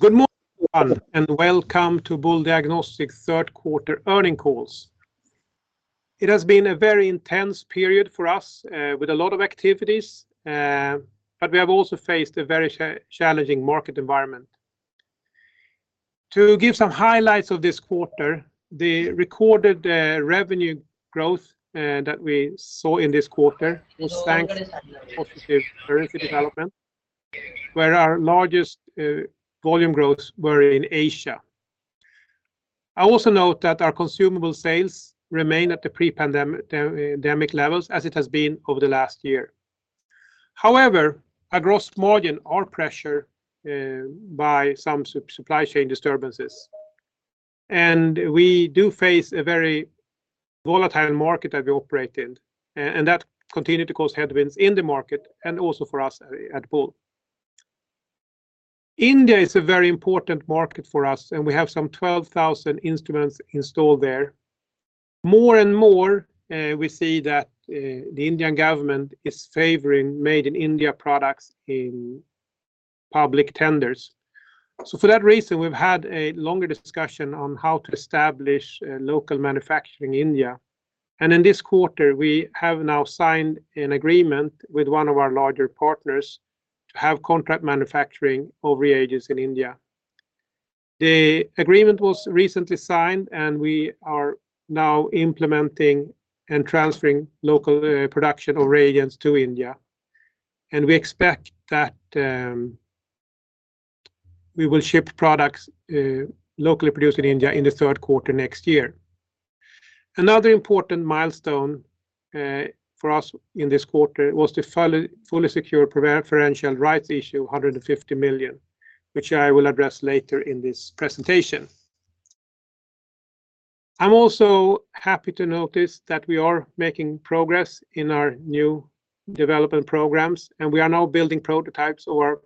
Good morning, everyone, and welcome to Boule Diagnostics third quarter earnings call. It has been a very intense period for us, with a lot of activities, but we have also faced a very challenging market environment. To give some highlights of this quarter, the recorded revenue growth that we saw in this quarter was thanks to positive currency development, where our largest volume growth was in Asia. I also note that our consumable sales remain at the pre-pandemic levels as it has been over the last year. However, our gross margin is pressured by some supply chain disturbances. We do face a very volatile market that we operate in, and that continued to cause headwinds in the market and also for us at Boule. India is a very important market for us, and we have some 12,000 instruments installed there. More and more, we see that the Indian government is favoring made in India products in public tenders. For that reason, we've had a longer discussion on how to establish local manufacturing in India. In this quarter we have now signed an agreement with one of our larger partners to have contract manufacturing of reagents in India. The agreement was recently signed, and we are now implementing and transferring local production of reagents to India. We expect that we will ship products locally produced in India in the third quarter next year. Another important milestone for us in this quarter was to fully secure preferential rights issue 150 million, which I will address later in this presentation. I'm also happy to notice that we are making progress in our new development programs, and we are now building prototypes of our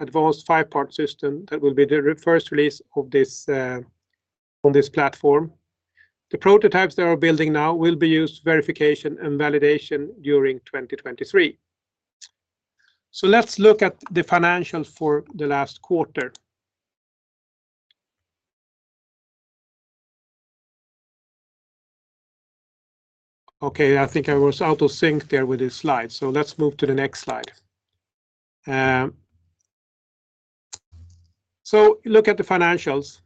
advanced 5-part system that will be the first release of this, on this platform. The prototypes that we're building now will be used verification and validation during 2023. Let's look at the financials for the last quarter. Okay, I think I was out of sync there with this slide. Let's move to the next slide. Look at the financials.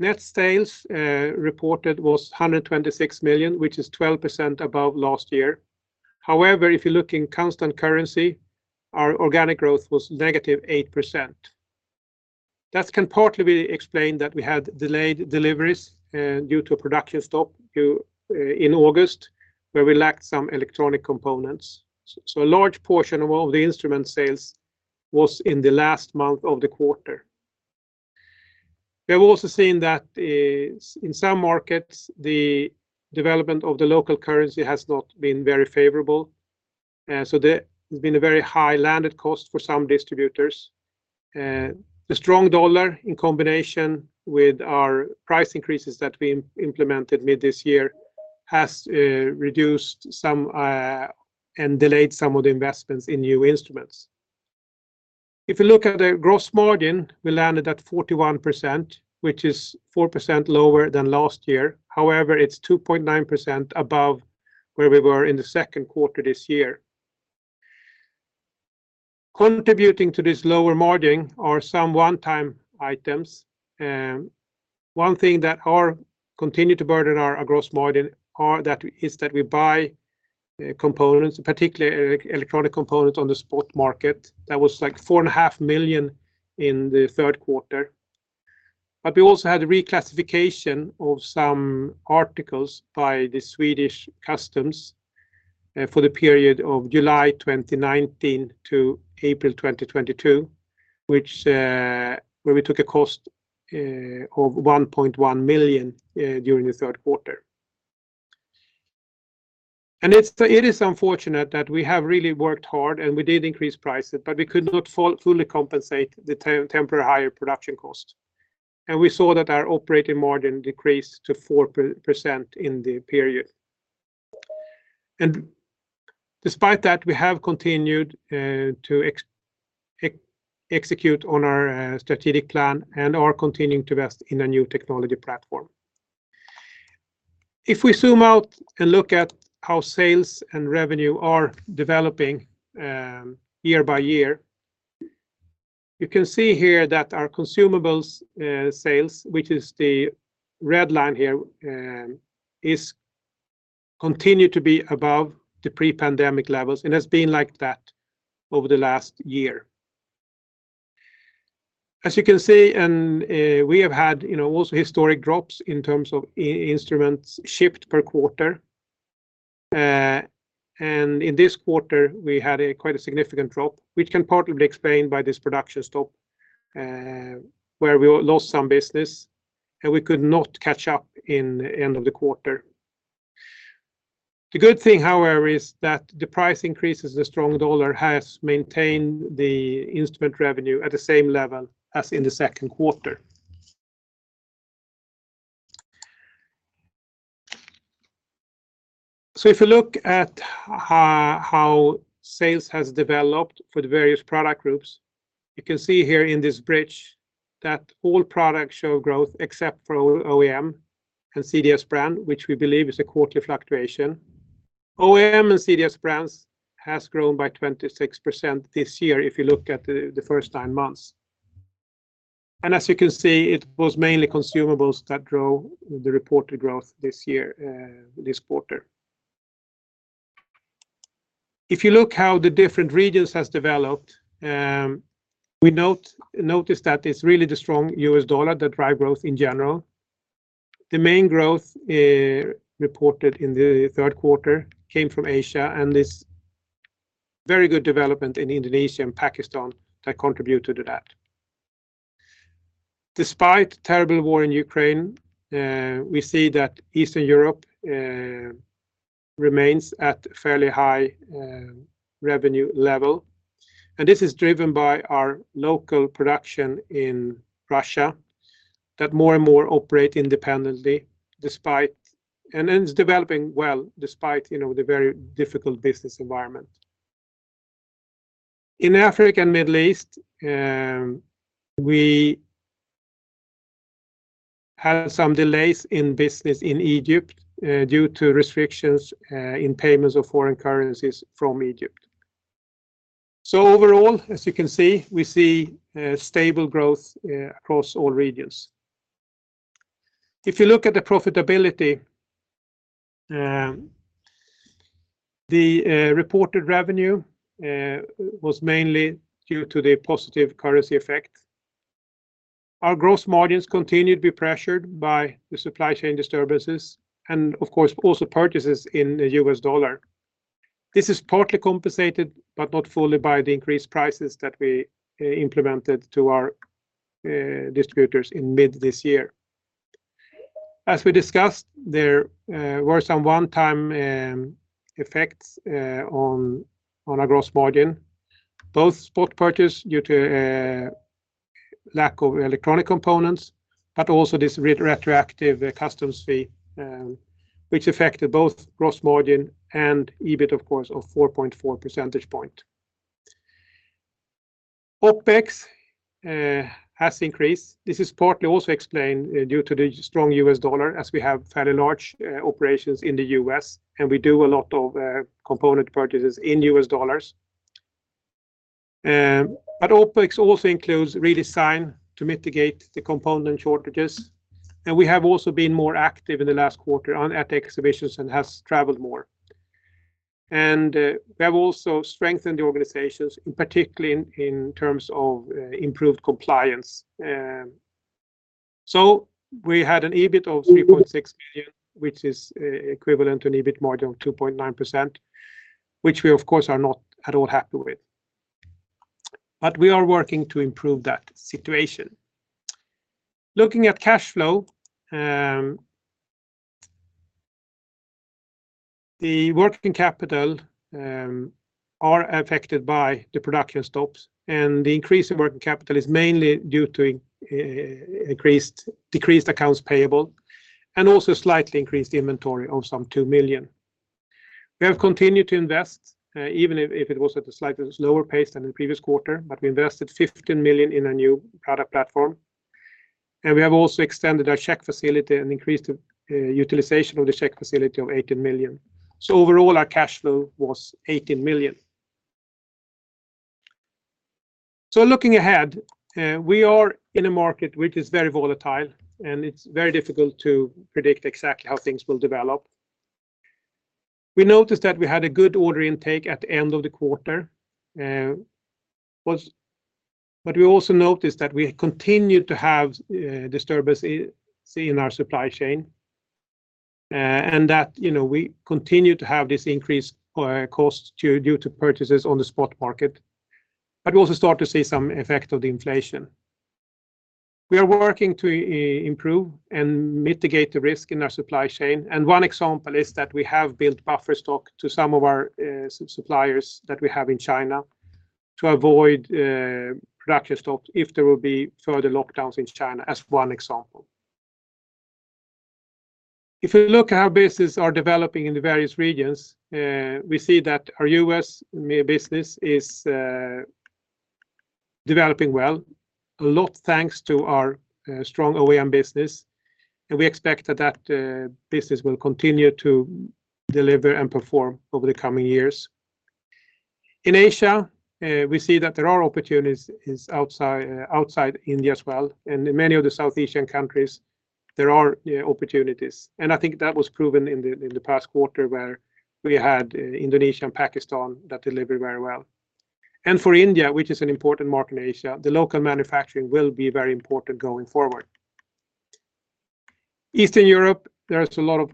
Net sales reported was 126 million, which is 12% above last year. However, if you look in constant currency, our organic growth was -8%. That can partly be explained that we had delayed deliveries, due to a production stop due, in August, where we lacked some electronic components. A large portion of all the instrument sales was in the last month of the quarter. We have also seen that in some markets, the development of the local currency has not been very favorable, so there has been a very high landed cost for some distributors. The strong dollar in combination with our price increases that we implemented mid this year has reduced some and delayed some of the investments in new instruments. If you look at the gross margin, we landed at 41%, which is 4% lower than last year. However, it's 2.9% above where we were in the second quarter this year. Contributing to this lower margin are some one-time items. One thing that continues to burden our gross margin is that we buy components, particularly electronic components on the spot market. That was like 4.5 million in the third quarter. We also had a reclassification of some articles by the Swedish customs for the period of July 2019 to April 2022, in which we took a cost of 1.1 million during the third quarter. It is unfortunate that we have really worked hard, and we did increase prices, but we could not fully compensate the temporary higher production cost. We saw that our operating margin decreased to 4% in the period. Despite that, we have continued to execute on our strategic plan and are continuing to invest in a new technology platform. If we zoom out and look at how sales and revenue are developing, year by year, you can see here that our consumables sales, which is the red line here, is continue to be above the pre-pandemic levels and has been like that over the last year. As you can see, we have had, you know, also historic drops in terms of instruments shipped per quarter. In this quarter, we had a significant drop, which can partly be explained by this production stop, where we lost some business, and we could not catch up in the end of the quarter. The good thing, however, is that the price increases, the strong dollar has maintained the instrument revenue at the same level as in the second quarter. If you look at how sales has developed for the various product groups, you can see here in this bridge that all products show growth except for OEM and CDS brand, which we believe is a quarterly fluctuation. OEM and CDS brands has grown by 26% this year if you look at the first nine months. As you can see, it was mainly consumables that drove the reported growth this year, this quarter. If you look how the different regions has developed, we noticed that it's really the strong U.S. dollar that drive growth in general. The main growth reported in the third quarter came from Asia, and it's very good development in Indonesia and Pakistan that contributed to that. Despite terrible war in Ukraine, we see that Eastern Europe remains at fairly high revenue level, and this is driven by our local production in Russia that more and more operate independently, and is developing well despite, you know, the very difficult business environment. In Africa and Middle East, we had some delays in business in Egypt due to restrictions in payments of foreign currencies from Egypt. Overall, as you can see, we see stable growth across all regions. If you look at the profitability, the reported revenue was mainly due to the positive currency effect. Our gross margins continued to be pressured by the supply chain disturbances and of course also purchases in the U.S. dollar. This is partly compensated, but not fully by the increased prices that we implemented to our distributors in mid this year. As we discussed there were some one-time effects on our gross margin, both spot purchase due to lack of electronic components, but also this retroactive customs fee, which affected both gross margin and EBIT of course of 4.4 percentage point. OpEx has increased. This is partly also explained due to the strong U.S. dollar as we have fairly large operations in the U.S. and we do a lot of component purchases in U.S. dollars. OpEx also includes redesign to mitigate the component shortages, and we have also been more active in the last quarter at exhibitions and has traveled more. We have also strengthened the organizations in particular in terms of improved compliance. We had an EBIT of 3.6 million, which is equivalent to an EBIT margin of 2.9%, which we of course are not at all happy with. We are working to improve that situation. Looking at cash flow, the working capital are affected by the production stops and the increase in working capital is mainly due to decreased accounts payable and also slightly increased inventory of some 2 million. We have continued to invest, even if it was at a slightly slower pace than the previous quarter, but we invested 15 million in a new product platform, and we have also extended our check facility and increased utilization of the check facility of 18 million. Overall our cash flow was 18 million. Looking ahead, we are in a market which is very volatile and it's very difficult to predict exactly how things will develop. We noticed that we had a good order intake at the end of the quarter. We also noticed that we continued to have disturbance in our supply chain, and that, you know, we continue to have this increased cost due to purchases on the spot market. We also start to see some effect of the inflation. We are working to improve and mitigate the risk in our supply chain and one example is that we have built buffer stock to some of our suppliers that we have in China to avoid production stops if there will be further lockdowns in China as one example. If we look how business are developing in the various regions, we see that our U.S. business is developing well, a lot thanks to our strong OEM business, and we expect that business will continue to deliver and perform over the coming years. In Asia, we see that there are opportunities outside India as well, and in many of the South Asian countries there are opportunities. I think that was proven in the past quarter where we had Indonesia and Pakistan that delivered very well. For India, which is an important market in Asia, the local manufacturing will be very important going forward. Eastern Europe, there is a lot of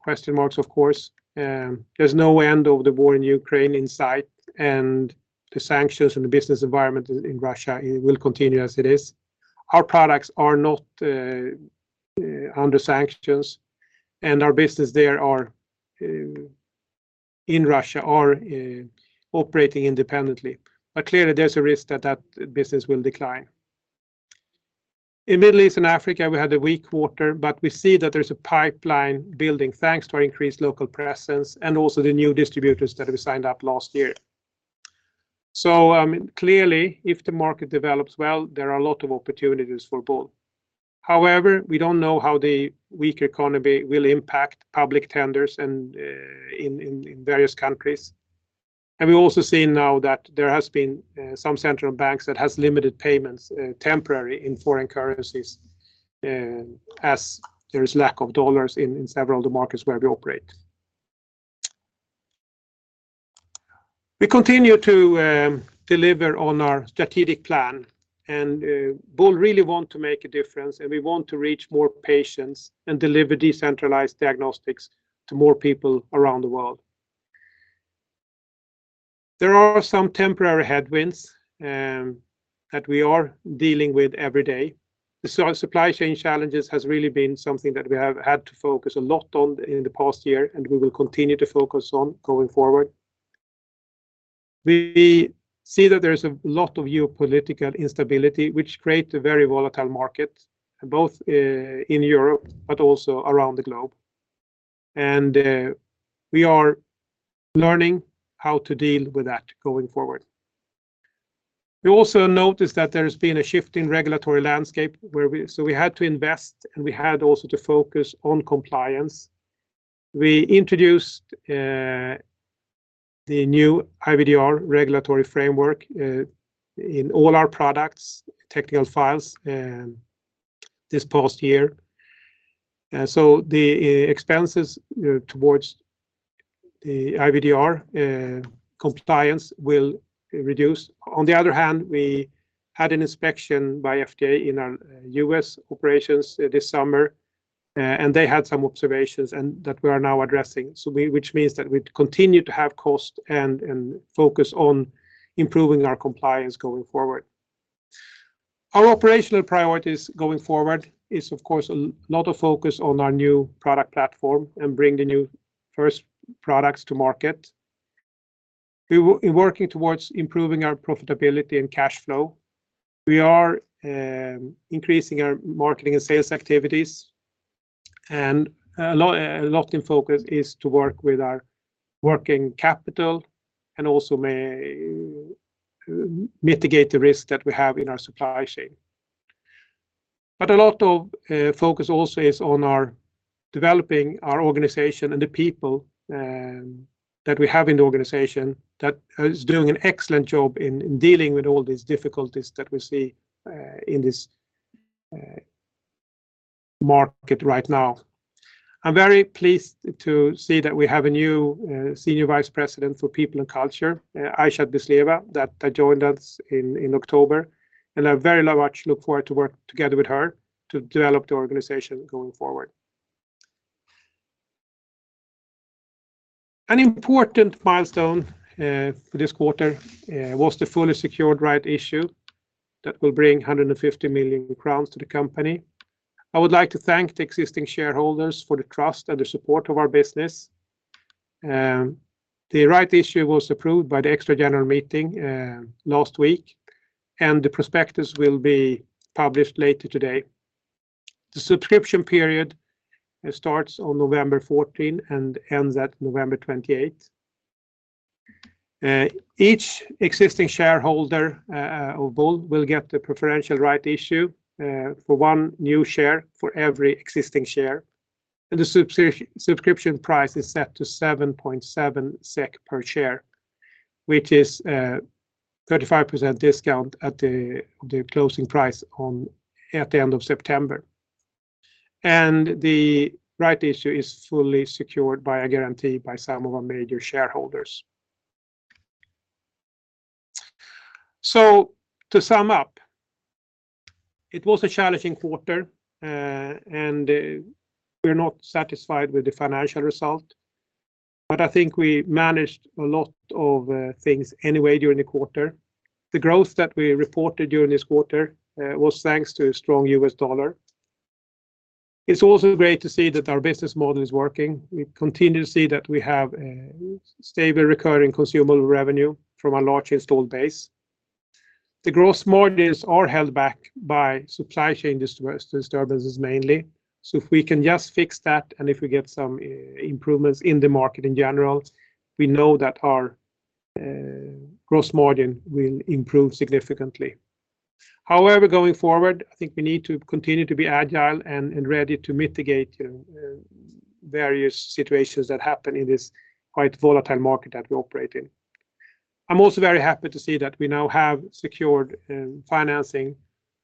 question marks of course. There's no end of the war in Ukraine in sight, and the sanctions and the business environment in Russia will continue as it is. Our products are not under sanctions, and our business there in Russia is operating independently. But clearly there's a risk that that business will decline. In Middle East and Africa, we had a weak quarter, but we see that there's a pipeline building thanks to our increased local presence and also the new distributors that we signed up last year. Clearly, if the market develops well, there are a lot of opportunities for Boule. However, we don't know how the weak economy will impact public tenders and in various countries. We also see now that there has been some central banks that has limited payments temporary in foreign currencies as there is lack of dollars in several of the markets where we operate. We continue to deliver on our strategic plan, and Boule really want to make a difference, and we want to reach more patients and deliver decentralized diagnostics to more people around the world. There are some temporary headwinds that we are dealing with every day. The supply chain challenges has really been something that we have had to focus a lot on in the past year, and we will continue to focus on going forward. We see that there's a lot of geopolitical instability, which create a very volatile market, both in Europe but also around the globe. We are learning how to deal with that going forward. We also notice that there's been a shift in regulatory landscape. We had to invest, and we had also to focus on compliance. We introduced the new IVDR regulatory framework in all our products, technical files, this past year. The expenses towards the IVDR compliance will reduce. On the other hand, we had an inspection by FDA in our U.S. Operations this summer, and they had some observations, and that we are now addressing, which means that we continue to have cost and focus on improving our compliance going forward. Our operational priorities going forward is, of course, a lot of focus on our new product platform and bring the new first products to market. We working towards improving our profitability and cash flow. We are increasing our marketing and sales activities, and a lot in focus is to work with our working capital and also may mitigate the risk that we have in our supply chain. A lot of focus also is on our developing our organization and the people that we have in the organization that is doing an excellent job in dealing with all these difficulties that we see in this market right now. I'm very pleased to see that we have a new Senior Vice President for People and Culture, Aishat Bislieva, that joined us in October, and I very much look forward to work together with her to develop the organization going forward. An important milestone for this quarter was the fully secured right issue that will bring 150 million crowns to the company. I would like to thank the existing shareholders for the trust and the support of our business. The right issue was approved by the extra general meeting last week, and the prospectus will be published later today. The subscription period starts on November 14 and ends at November 28. Each existing shareholder of Boule will get the preferential right issue for one new share for every existing share, and the subscription price is set to 7.7 SEK per share, which is 35% discount at the closing price at the end of September. The right issue is fully secured by a guarantee by some of our major shareholders. To sum up, it was a challenging quarter, and we're not satisfied with the financial result, but I think we managed a lot of things anyway during the quarter. The growth that we reported during this quarter was thanks to strong U.S. dollar. It's also great to see that our business model is working. We continue to see that we have stable recurring consumable revenue from a large installed base. The gross margins are held back by supply chain disturbances mainly. If we can just fix that and if we get some improvements in the market in general, we know that our gross margin will improve significantly. However, going forward, I think we need to continue to be agile and ready to mitigate various situations that happen in this quite volatile market that we operate in. I'm also very happy to see that we now have secured financing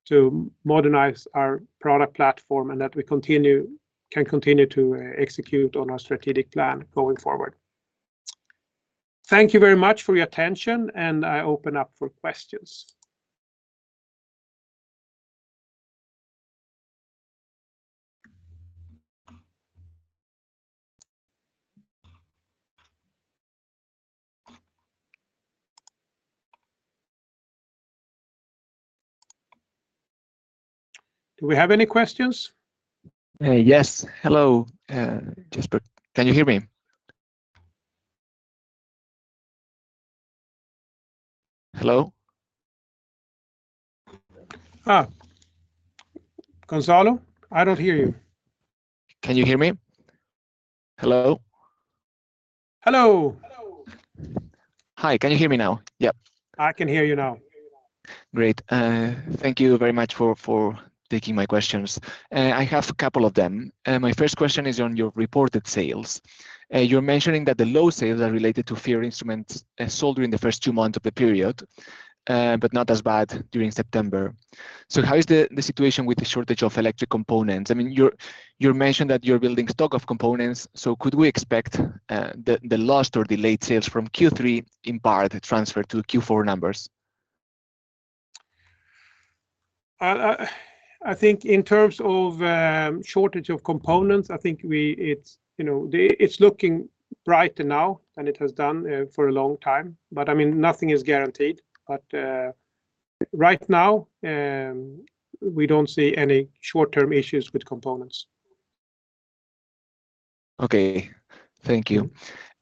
to modernize our product platform and that we can continue to execute on our strategic plan going forward. Thank you very much for your attention, and I open up for questions. Do we have any questions? Yes. Hello, Jesper. Can you hear me? Hello? Gonzalo, I don't hear you. Can you hear me? Hello? Hello. Hi. Can you hear me now? Yep. I can hear you now. Great. Thank you very much for taking my questions. I have a couple of them. My first question is on your reported sales. You're mentioning that the low sales are related to fewer instruments sold during the first two months of the period, but not as bad during September. How is the situation with the shortage of electronic components? I mean, you mentioned that you're building stock of components, so could we expect the lost or delayed sales from Q3 in part transfer to Q4 numbers? I think in terms of shortage of components, it's looking brighter now than it has done for a long time, but I mean, nothing is guaranteed. Right now, we don't see any short-term issues with components. Okay. Thank you.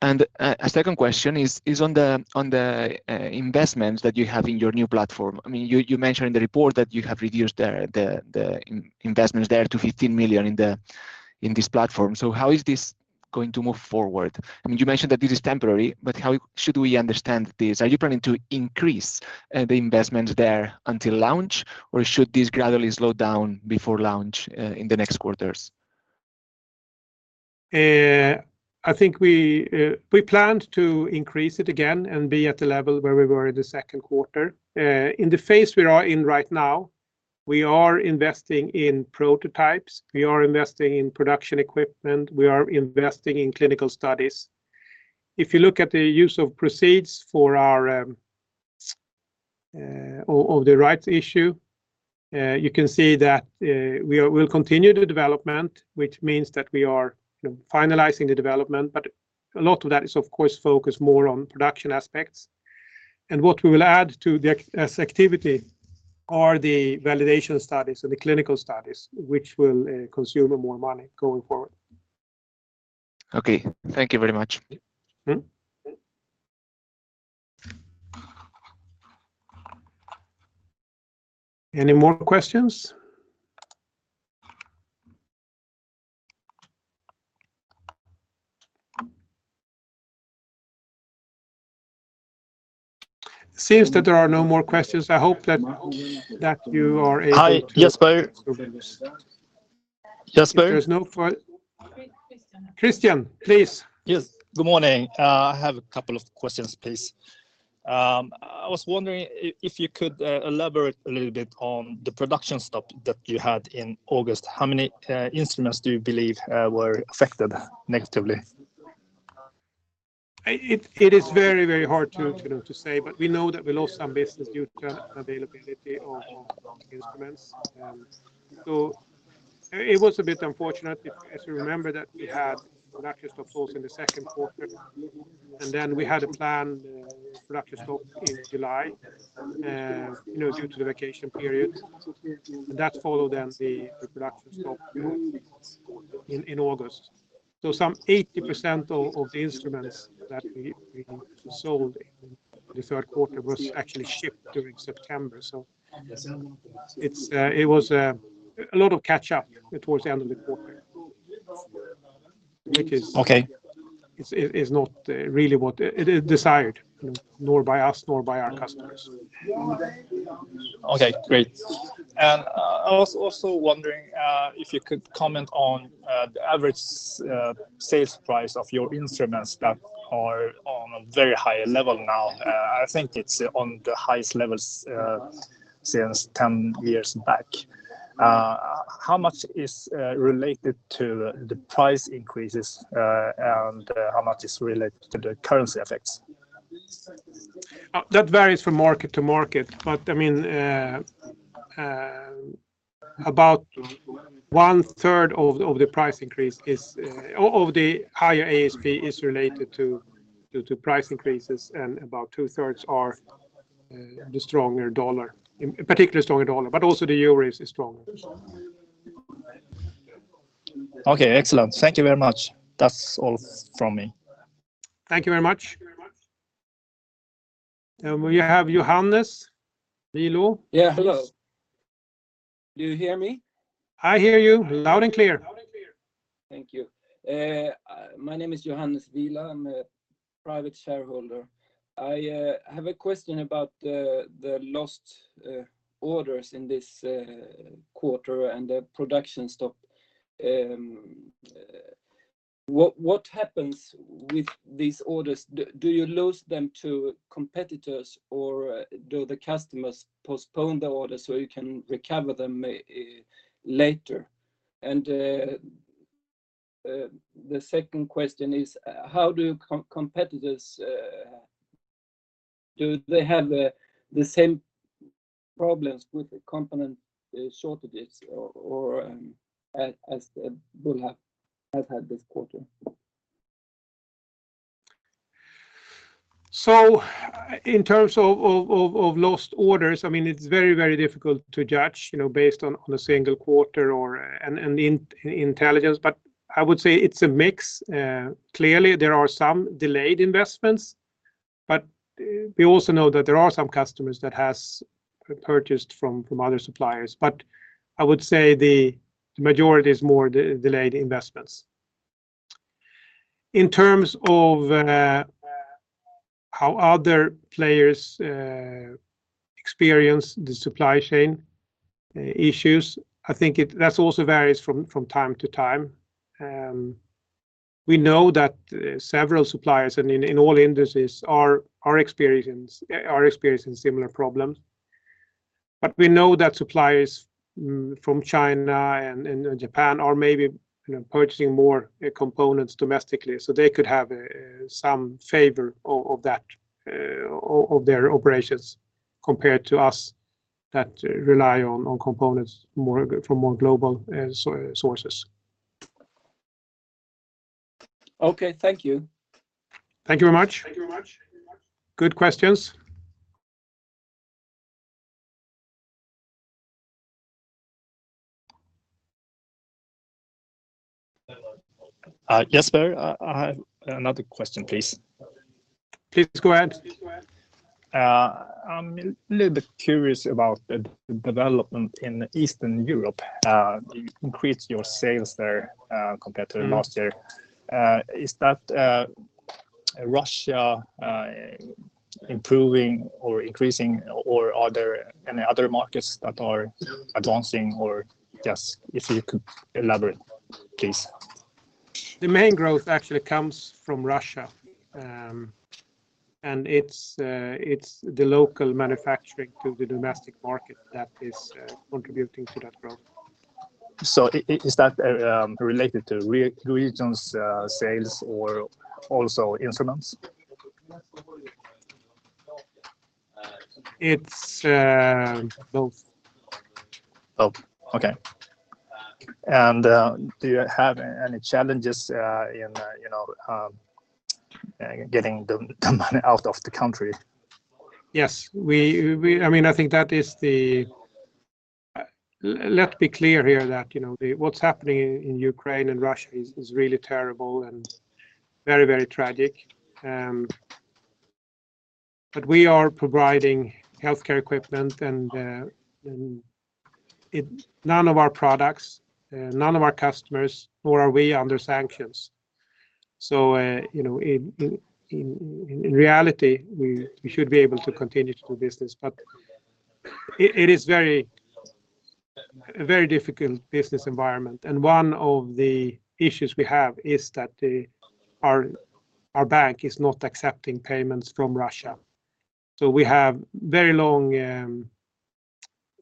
A second question is on the investments that you have in your new platform. I mean, you mention in the report that you have reduced the investments there to 15 million in this platform. How is this going to move forward? I mean, you mentioned that this is temporary, but how should we understand this? Are you planning to increase the investments there until launch, or should this gradually slow down before launch in the next quarters? I think we plan to increase it again and be at the level where we were in the second quarter. In the phase we are in right now, we are investing in prototypes. We are investing in production equipment. We are investing in clinical studies. If you look at the use of proceeds of the rights issue, you can see that we'll continue the development, which means that we are, you know, finalizing the development. A lot of that is, of course, focused more on production aspects. What we will add to this activity are the validation studies and the clinical studies, which will consume more money going forward. Okay. Thank you very much. Any more questions? Seems that there are no more questions. I hope that you are able to. Hi. Jesper. If there's no further. Christian. Christian, please. Yes. Good morning. I have a couple of questions, please. I was wondering if you could elaborate a little bit on the production stop that you had in August. How many instruments do you believe were affected negatively? It is very hard to say, but we know that we lost some business due to unavailability of instruments. It was a bit unfortunate. If, as you remember, that we had production stops also in the second quarter, and then we had a planned production stop in July, you know, due to the vacation period. That followed the production stop in August. Some 80% of the instruments that we sold in the third quarter was actually shipped during September. It was a lot of catch-up towards the end of the quarter, which is. Okay. is not really what desired, you know, nor by us, nor by our customers. Okay, great. I was also wondering if you could comment on the average sales price of your instruments that are on a very high level now. I think it's on the highest levels since 10 years back. How much is related to the price increases and how much is related to the currency effects? That varies from market to market, but I mean, about one third of the higher ASP is related to price increases, and about two thirds are the stronger dollar. In particular stronger dollar, but also the euro is stronger. Okay. Excellent. Thank you very much. That's all from me. Thank you very much. We have Johannes Vilas. Yeah. Hello. Do you hear me? I hear you loud and clear. Thank you. My name is Johannes Vilas. I'm a private shareholder. I have a question about the lost orders in this quarter and the production stop. What happens with these orders? Do you lose them to competitors, or do the customers postpone the order so you can recover them later? The second question is, do competitors have the same problems with the component shortages as Boule has had this quarter? In terms of lost orders, I mean, it's very, very difficult to judge, you know, based on a single quarter or intelligence. I would say it's a mix. Clearly there are some delayed investments, but we also know that there are some customers that has purchased from other suppliers. I would say the majority is more delayed investments. In terms of how other players experience the supply chain issues, I think that's also varies from time to time. We know that several suppliers in all industries are experiencing similar problems. We know that suppliers from China and Japan are maybe, you know, purchasing more components domestically. They could have some flavor of their operations compared to us that rely on components more from global sources. Okay. Thank you. Thank you very much. Good questions. Jesper, I have another question, please. Please go ahead. I'm little bit curious about the development in Eastern Europe. You increased your sales there compared to last year. Mm. Is that Russia improving or increasing or are there any other markets that are advancing? Just if you could elaborate, please. The main growth actually comes from Russia. It's the local manufacturing to the domestic market that is contributing to that growth. Is that related to region's sales or also instruments? It's both. Both. Okay. Do you have any challenges in, you know, getting the money out of the country? Yes. I mean, let's be clear here that, you know, what's happening in Ukraine and Russia is really terrible and very, very tragic. We are providing healthcare equipment and none of our products, none of our customers nor are we under sanctions. You know, in reality, we should be able to continue to do business, but it is a very difficult business environment. One of the issues we have is that our bank is not accepting payments from Russia. We have very long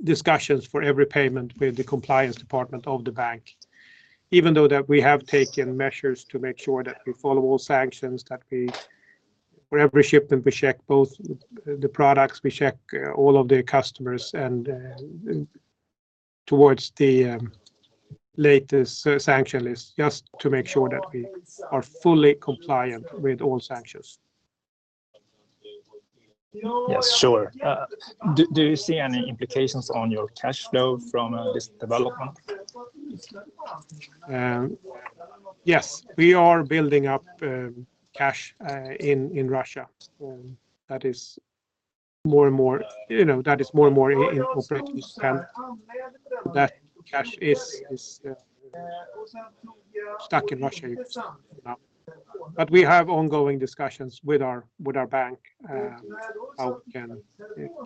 discussions for every payment with the compliance department of the bank, even though that we have taken measures to make sure that we follow all sanctions, that we for every shipment we check both the products, all of the customers and against the latest sanctions list, just to make sure that we are fully compliant with all sanctions. Yes, sure. Do you see any implications on your cashflow from this development? Yes, we are building up cash in Russia that is more and more, you know, in operations and that cash is stuck in Russia now. We have ongoing discussions with our bank how we can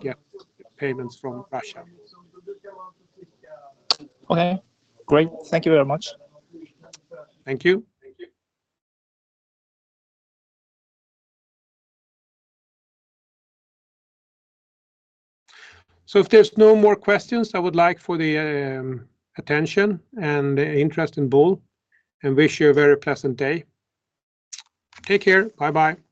get payments from Russia. Okay, great. Thank you very much. Thank you. If there's no more questions, I would like to thank you for the attention and interest in Boule, and wish you a very pleasant day. Take care. Bye-bye.